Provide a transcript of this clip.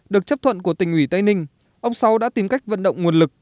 được chấp thuận của tỉnh ủy tây ninh ông sáu đã tìm cách vận động nguồn lực